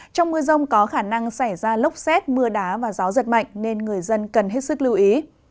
trong mưa rông có khả năng xảy ra lốc xét mưa đá và gió giật mạnh nên người dân cần hết sức lưu ý